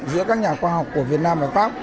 giữa các nhà khoa học của việt nam và pháp